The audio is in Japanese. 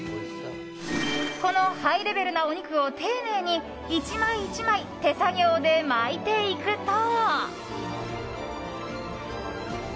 このハイレベルなお肉を丁寧に１枚１枚手作業で巻いていくと。